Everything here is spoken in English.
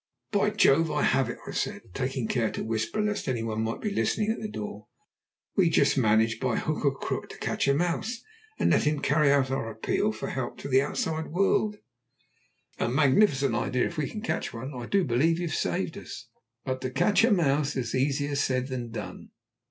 "By Jove, I have it!" I said, taking care to whisper lest any one might be listening at the door. "We must manage by hook or crook to catch a mouse and let him carry our appeal for help to the outside world." "A magnificent idea! If we can catch one I do believe you've saved us!" But to catch a mouse was easier said than done.